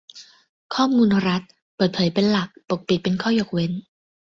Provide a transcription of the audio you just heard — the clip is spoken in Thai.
ข้อมูลรัฐ : เปิดเผยเป็นหลัก ปกปิดเป็นข้อยกเว้น